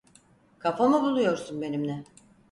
Kafa mı buluyorsun benimle?